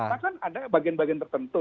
karena kan ada bagian bagian tertentu